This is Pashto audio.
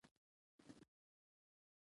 احمد د محمود ورور دی.